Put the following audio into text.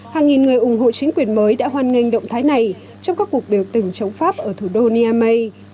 hàng nghìn người ủng hộ chính quyền mới đã hoan nghênh động thái này trong các cuộc biểu tình chống pháp ở thủ đô niamey